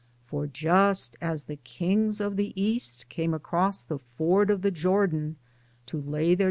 For just as the Kings of the East came across the ford of the Jordan to lay their PERSONALITIES